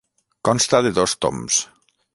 Consta de dos toms.